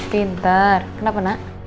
pintar kenapa nak